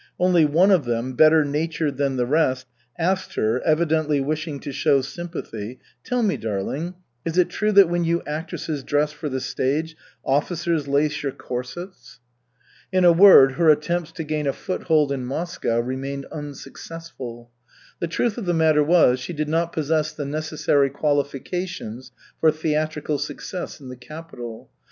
Only one of them, better natured than the rest, asked her, evidently wishing to show sympathy: "Tell me, darling, is it true that when you actresses dress for the stage, officers lace your corsets?" In a word, her attempts to gain a foothold in Moscow remained unsuccessful. The truth of the matter was, she did not possess the necessary qualifications for theatrical success in the capital.